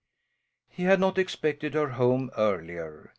He had not expected her home earlier.